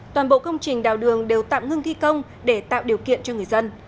toàn bộ công trình đào đường đều tạm ngưng thi công để tạo điều kiện cho người dân